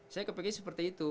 saya kepikirnya seperti itu